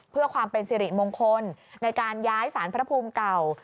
เพื่อความเป็นสิริมงคลในการย้ายสารพระภูมิเก่า